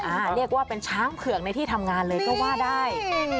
เรียกว่าเป็นช้างเผือกในที่ทำงานเลยก็ว่าได้